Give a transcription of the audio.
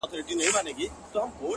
ما د شرابو په نشه کې عبادت کړى دى